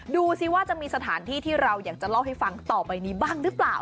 ดูสิว่าจะมีสถานที่ที่เราอยากจะเล่าให้ฟังต่อไปนี้บ้างหรือเปล่า